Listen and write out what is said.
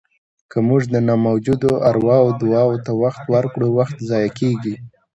که موږ د نه موجودو ارواوو دعاوو ته وخت ورکړو، وخت ضایع کېږي.